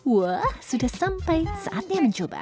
wah sudah sampai saatnya mencoba